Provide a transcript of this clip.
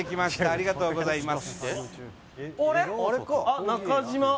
ありがとうございます。